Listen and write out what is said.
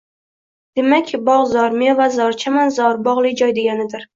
Demak, Bog‘zor - mevazor, chamanzor, bog‘li joy deganidir.